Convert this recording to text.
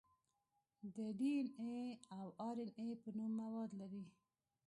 د ډي ان اې او ار ان اې په نوم مواد لري.